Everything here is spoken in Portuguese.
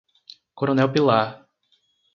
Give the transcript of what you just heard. Coronel Pilar